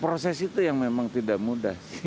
proses itu yang memang tidak mudah